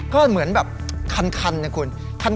ก็เหมือนแบบคันนะคุณ